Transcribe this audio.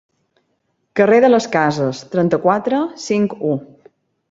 Carrer de les Cases, trenta-quatre, cinc-u.